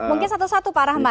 mungkin satu satu pak rahmat